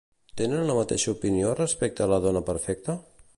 Tenen la mateixa opinió respecte a la dona perfecta?